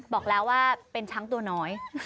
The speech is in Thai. บอกแล้วว่าเป็นช้างตัวน้อย